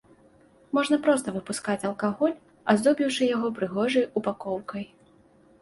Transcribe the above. Можна проста выпускаць алкаголь, аздобіўшы яго прыгожай ўпакоўкай.